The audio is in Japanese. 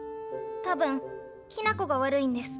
多分きな子が悪いんです。